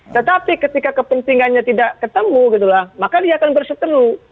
tetapi ketika kepentingannya tidak ketemu maka dia akan berseteru